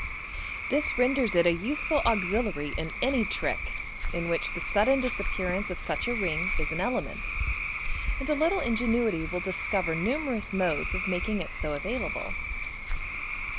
This renders it a useful auxiliary in any trirk in which 126 MODERN MAGIC, the sudden disappearance of such a ring is an element, and a little ingenuity will discover numerous modes of making it so available.